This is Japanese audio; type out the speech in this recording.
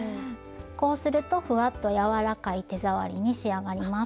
こうするとふわっと柔らかい手触りに仕上がります。